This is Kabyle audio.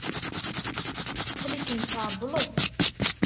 Aql-ikem tɛewwleḍ.